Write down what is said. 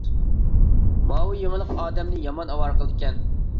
ماۋۇ يېڭىلىق ئادەمنى يامان ئاۋارە قىلىدىكەن.